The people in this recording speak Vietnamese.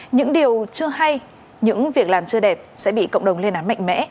những điều chưa hay những việc làm chưa đẹp sẽ bị cộng đồng lên án mạnh mẽ